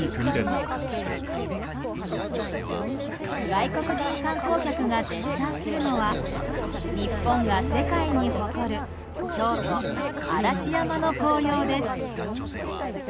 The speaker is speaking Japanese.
外国人観光客が絶賛するのは日本が世界に誇る京都・嵐山の紅葉です。